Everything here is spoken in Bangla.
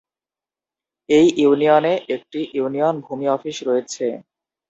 এই ইউনিয়নে একটি ইউনিয়ন ভূমি অফিস রয়েছে।